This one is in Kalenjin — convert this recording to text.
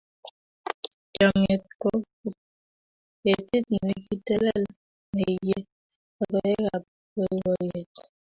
Chomnyet kou ketit ne kitelel ne iye logoekab boiboiyet.